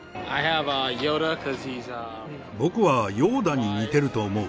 僕はヨーダに似ていると思う。